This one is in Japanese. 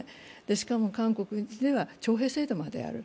しかも韓国では徴兵制度まである。